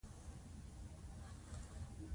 خپل فکرونه دې بدل کړه پوه شوې!.